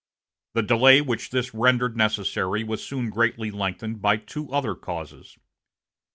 The delay which this rendered necessary was soon greatly lengthened by two other causes.